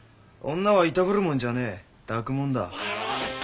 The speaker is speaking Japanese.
女はいたぶるもんじゃねえ抱くもんだ。